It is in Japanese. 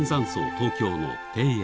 東京の庭園